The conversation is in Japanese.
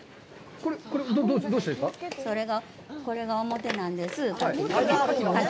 これが表なんです。